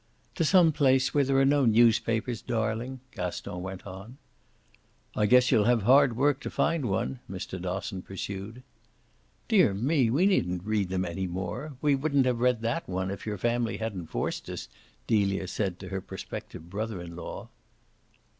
"To some place where there are no newspapers, darling," Gaston went on. "I guess you'll have hard work to find one," Mr. Dosson pursued. "Dear me, we needn't read them any more. We wouldn't have read that one if your family hadn't forced us," Delia said to her prospective brother in law.